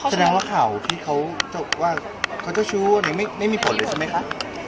แสดงว่าข่าวที่เขาว่าเขาเจ้าชู้ไม่มีผลเลยใช่ไหมคะ